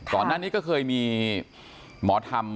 ก่อนหน้านี้ก็เคยมีหมอธรรม